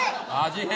味変。